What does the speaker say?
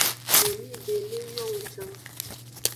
Nunibe ne yong can.